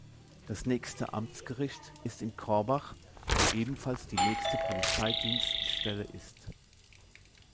Das nächste Amtsgericht ist in Korbach, wo ebenfalls die nächste Polizeidienststelle ist.